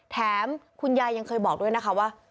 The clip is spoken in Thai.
แถมคุณยายยังเคยบอกด้วยนะคะว่า